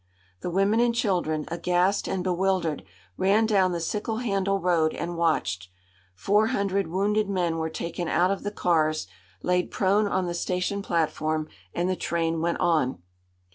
The women and children, aghast and bewildered, ran down the sickle handle road and watched. Four hundred wounded men were taken out of the cars, laid prone on the station platform, and the train went on.